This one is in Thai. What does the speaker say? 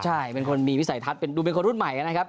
ใช่เป็นคนมีวิสัยทัศน์ดูเป็นคนรุ่นใหม่นะครับ